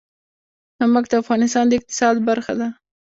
نمک د افغانستان د اقتصاد برخه ده.